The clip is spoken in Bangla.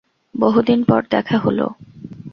বহুদিন পর দেখা হলো।